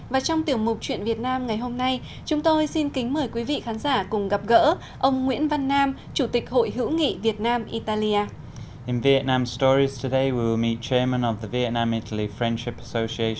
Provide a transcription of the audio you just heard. và trong tiểu mục chuyện việt nam ngày hôm nay chúng tôi xin kính mời quý vị khán giả cùng gặp gỡ ông nguyễn văn nam chủ tịch hội hữu nghị việt nam italia